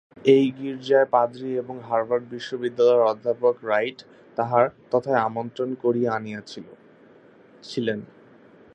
ঐ গীর্জার পাদ্রী এবং হার্ভার্ড বিশ্ববিদ্যালয়ের অধ্যাপক রাইট তাঁহাকে তথায় আমন্ত্রণ করিয়া আনিয়াছিলেন।